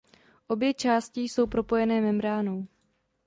Obě části jsou propojené membránou.